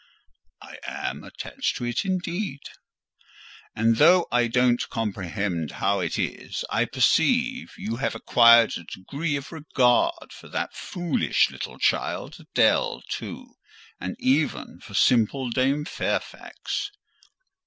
"I am attached to it, indeed." "And though I don't comprehend how it is, I perceive you have acquired a degree of regard for that foolish little child Adèle, too; and even for simple dame Fairfax?"